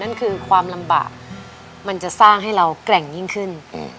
นั่นคือความลำบากมันจะสร้างให้เราแกร่งยิ่งขึ้น